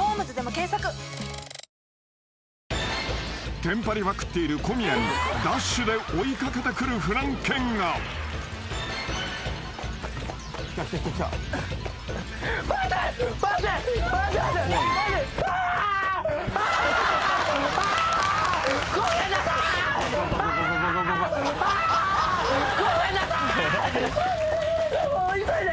［テンパりまくっている小宮にダッシュで追い掛けてくるフランケンが］ごめんなさい！？